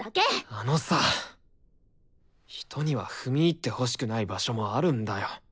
あのさ人には踏み入ってほしくない場所もあるんだよ。